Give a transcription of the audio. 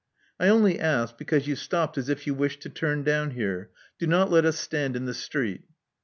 I only asked because you stopped as if you wished to turn down here. Do not let us stand in the street.